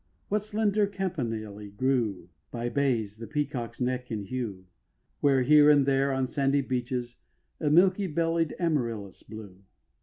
What slender campanili grew By bays, the peacock's neck in hue; Where, here and there, on sandy beaches A milky bell'd amaryllis blew.